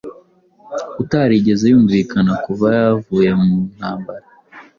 utarigeze yumvikana kuva yavuye mu ntambara